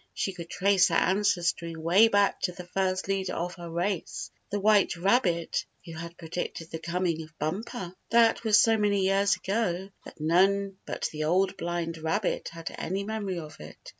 She could trace her ancestry way back to the first leader of her race, the white rabbit who had predicted the coming of Bumper. That was so many years ago that none but the Old Blind Rabbit had any memory of it.